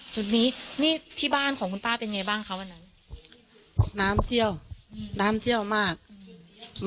จุดนี้นี่ที่บ้านของคุณป้าเป็นไงบ้างคะวันนั้นน้ำเที่ยวอืมน้ำเที่ยวมากอืม